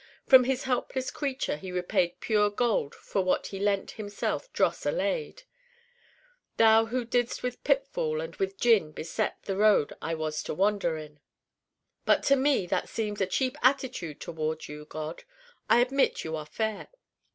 'from his helpless creature be repaid pure Gold for what he lent him dross allayed.' 'thou who didst with pitfall and with gin beset the Road I was to wander in .' But to me that seems a cheap attitude toward you, God. I admit you are fair.